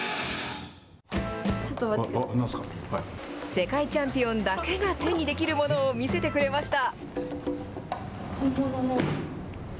世界チャンピオンだけが手にできるものを見せてくれました。